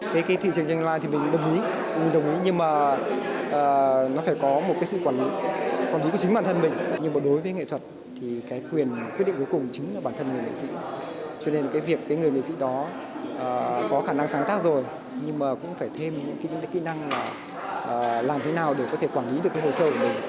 có khả năng sáng tác rồi nhưng cũng phải thêm những kỹ năng làm thế nào để có thể quản lý được hồ sơ của mình